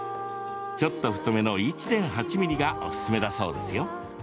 ちょっと太めの１．８ｍｍがおすすめだそうですよ。